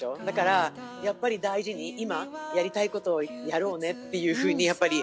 だからやっぱり大事に今やりたいことをやろうねって思う。